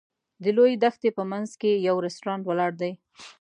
د لویې دښتې په منځ کې یو رسټورانټ ولاړ دی.